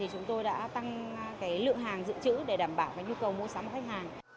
chúng tôi đã tăng lượng hàng dự trữ để đảm bảo nhu cầu mua sắm của khách hàng